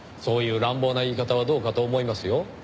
そういう乱暴な言い方はどうかと思いますよ。